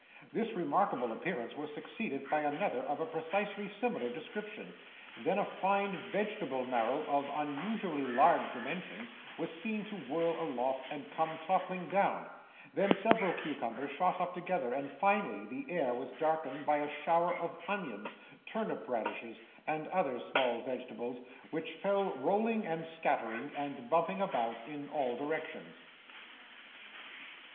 This remarkable appearance was succeeded by another of a precisely similar description; then a fine vegetable marrow, of unusually large dimensions, was seen to whirl aloft, and come toppling down; then, several cucumbers shot up together; and, finally, the air was darkened by a shower of onions, turnip radishes, and other small vegetables, which fell rolling and scattering, and bumping about, in all directions.